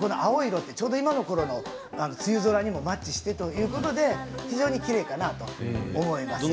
青色、ちょうど今のころ梅雨空にもマッチしてということで非常にきれいかなと思います。